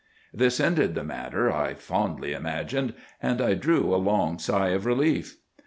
This ended the matter, I fondly imagined, and I drew a long sigh of relief.